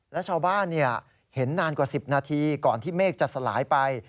และชาวบ้านเห็นนานกว่า๑๐นาทีก่อนที่เมฆจะสลายไป